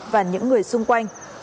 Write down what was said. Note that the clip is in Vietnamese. và những người xung quanh